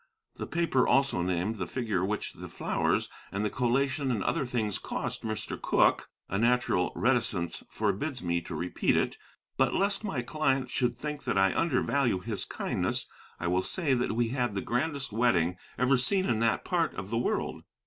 The paper also named the figure which the flowers and the collation and other things cost Mr. Cooke. A natural reticence forbids me to repeat it. But, lest my client should think that I undervalue his kindness, I will say that we had the grandest wedding ever seen in that part of the world.